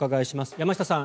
山下さん